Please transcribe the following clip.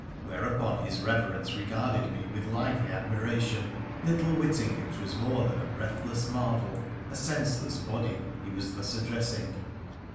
' whereupon his Beverence regarded me with lively admiration, little witting it was more than a breathless marvel, a senseless body, he was thus addressing.